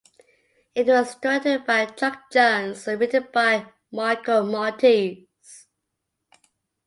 It was directed by Chuck Jones and written by Michael Maltese.